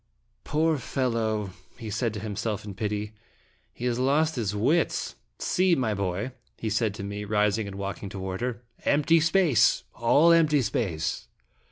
" Poor fellow! " he said to himself in pity. "He has lost his wits! See, my boy," he said to me, rising and walking toward her. " Empty space, all empty space."